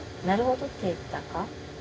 なるほどって言ったか？